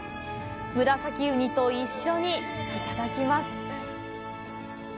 ムラサキウニと一緒にいただきます。